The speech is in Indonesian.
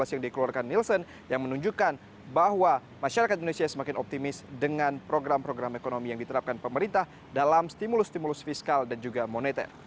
yang dikeluarkan nielsen yang menunjukkan bahwa masyarakat indonesia semakin optimis dengan program program ekonomi yang diterapkan pemerintah dalam stimulus stimulus fiskal dan juga moneter